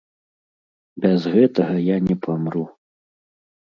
Без гэтага я не памру.